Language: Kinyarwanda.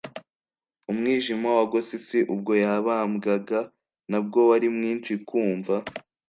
Umwijima wagose isi ubwo yabambwaga ntabwo wari mwinshi kumva